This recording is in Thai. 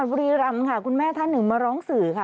บุรีรำค่ะคุณแม่ท่านหนึ่งมาร้องสื่อค่ะ